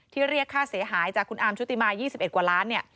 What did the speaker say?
เรียกค่าเสียหายจากคุณอาร์มชุติมา๒๑กว่าล้าน